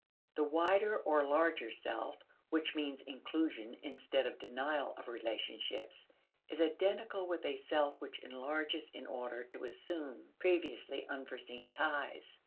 The wider or larger self which means inclusion instead of denial of relationships is identical with a self which enlarges in order to assume previously unforeseen ties.